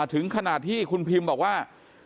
ถึงขนาดที่คุณพิมบอกว่า